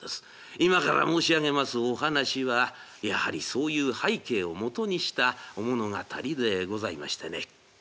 今から申し上げますお話はやはりそういう背景をもとにしたお物語でございましてね。